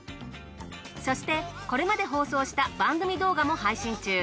そしてこれまで放送した番組動画も配信中。